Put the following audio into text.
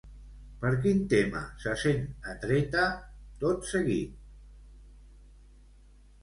Per quin tema se sent atreta tot seguit?